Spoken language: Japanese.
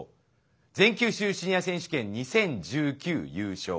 全九州シニア選手権２０１９優勝。